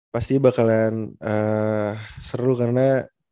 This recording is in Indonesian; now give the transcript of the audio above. pasti bakalan seru karena